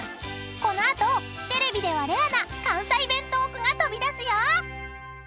［この後テレビではレアな関西弁トークが飛び出すよ］